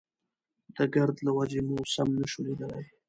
د ګرد له وجې مو سم نه شو ليدلی.